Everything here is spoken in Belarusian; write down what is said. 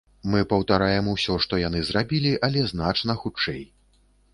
Мы паўтараем усё, што яны зрабілі, але значна хутчэй.